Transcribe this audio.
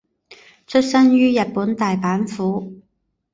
出身于日本大阪府。